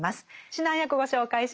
指南役ご紹介します。